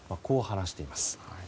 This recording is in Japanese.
こう話しています。